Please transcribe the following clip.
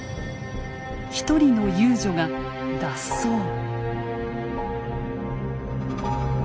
一人の遊女が脱走。